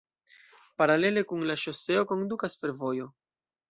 Paralele kun la ŝoseo kondukas fervojo.